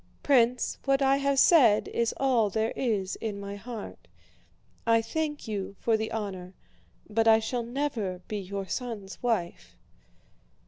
'" "Prince, what I have said is all there is in my heart. I thank you for the honor, but I shall never be your son's wife."